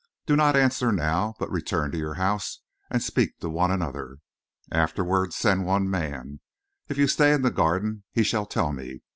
Do not answer now, but return to your house and speak to one another. Afterward, send one man. If you stay in the Garden he shall tell me.